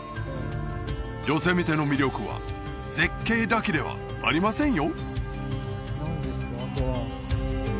ヨセミテの魅力は絶景だけではありませんよ